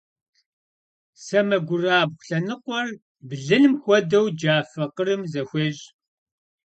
Сэмэгурабгъу лъэныкъуэр блыным хуэдэу джафэ къырым зэхуещӀ.